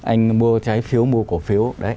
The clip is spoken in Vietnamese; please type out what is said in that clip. anh mua trái phiếu mua cổ phiếu